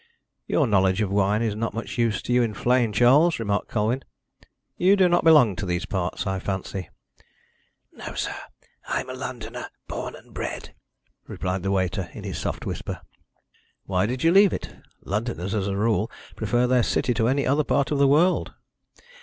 "Your knowledge of wine is not of much use to you in Flegne, Charles," remarked Colwyn. "You do not belong to these parts, I fancy." "No, sir. I'm a Londoner born and bred," replied the waiter, in his soft whisper. "Why did you leave it? Londoners, as a rule, prefer their city to any other part of the world."